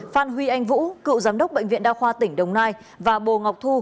phan huy anh vũ cựu giám đốc bệnh viện đa khoa tỉnh đồng nai và bồ ngọc thu